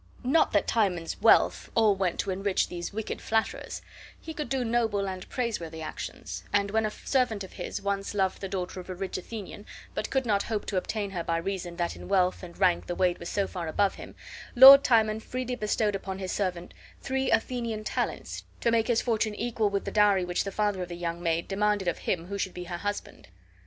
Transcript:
Not that Timon's wealth all went to enrich these wicked flatterers; he could do noble and praiseworthy actions; and when a servant of his once loved the daughter of a rich Athenian, but could not hope to obtain her by reason that in wealth and rank the maid was so far above him, Lord Timon freely bestowed upon his servant three Athenian talents, to make his fortune equal with the dowry which the father of the young maid demanded of him who should be her husband.